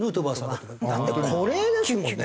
だってこれですもんね。